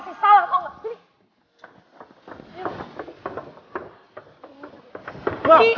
sial tau gak